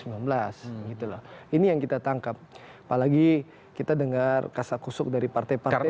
gitu lah ini yang kita tangkap apalagi kita dengar kasus kusuk dari partai partai